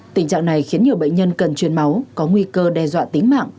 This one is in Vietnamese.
tình trạng này khiến nhiều bệnh nhân cần truyền máu có nguy cơ đe dọa tính mạng